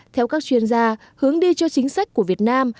theo các chuyên gia hướng đi cho chính sách của việt nam